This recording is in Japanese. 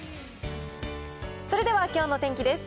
それでは、きょうの天気です。